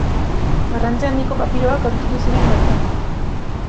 Garrantzi handiko papiroak aurkitu ziren bertan.